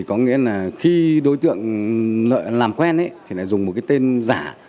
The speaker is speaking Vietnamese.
có nghĩa là khi đối tượng làm quen thì dùng một tên giả